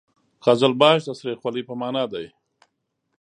قزلباش د سرې خولۍ په معنا ده.